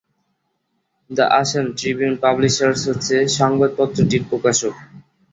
The Assam Tribune Publishers হচ্ছে সংবাদপত্রটির প্রকাশক।